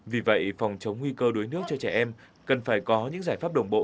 vì vậy phòng chống nguy cơ đuối nước cho trẻ em cần phải có những giải pháp đồng bộ